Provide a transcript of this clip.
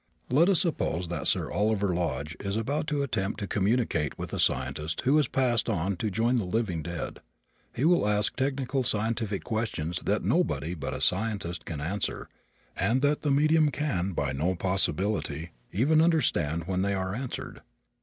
Let us suppose that Sir Oliver Lodge is about to attempt to communicate with a scientist who has passed on to join the living dead. He will ask technical scientific questions that nobody but a scientist can answer and that the medium can by no possibility even understand when they are answered.